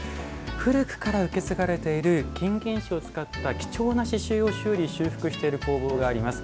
古くから受け継がれている金銀糸を使った貴重な刺しゅうを修理・修復している工房があります。